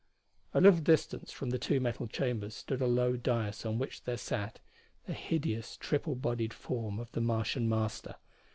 A little distance from the two metal chambers stood a low dais on which there sat the hideous triple bodied form of the Martian Master.